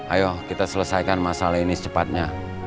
ayo kita selesaikan masalah ini secepatnya